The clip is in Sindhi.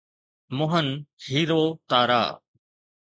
مهن هيرو تارا